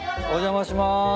お邪魔します。